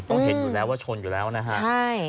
เห็นอยู่แล้วว่าชนอยู่แล้วนะฮะใช่